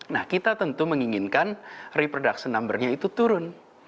nah kita tentu menginginkan reproduction number nya itu turun